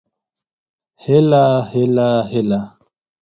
هيله هيله هيله